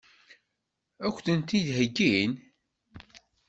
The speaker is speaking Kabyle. Ad k-ten-id-heggin?